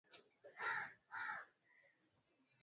Maji huteremka bondeni, hayapandi mlima